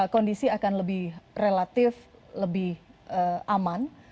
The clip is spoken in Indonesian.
kondisi akan lebih relatif lebih aman